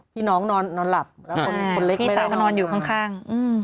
ที่น้องนอนนอนหลับแล้วคนเล็กพี่สาวก็นอนอยู่ข้างข้างอืม